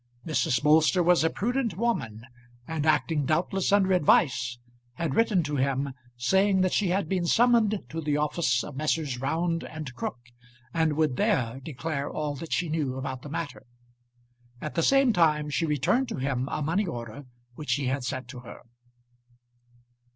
Mrs. Bolster was a prudent woman, and, acting doubtless under advice, had written to him, saying that she had been summoned to the office of Messrs. Round and Crook, and would there declare all that she knew about the matter. At the same time she returned to him a money order which he had sent to her.